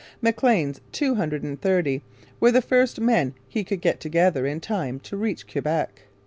Maclean's two hundred and thirty were the first men he could get together in time to reach Quebec.